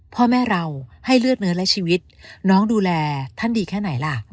พ่อแม่เราให้เลือดเนื้อและชีวิตน้องดูแลท่านดีแค่ไหนล่ะ